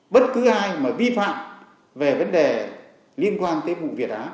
bất cứ ai mà vi phạm về vấn đề liên quan tới vụ việt á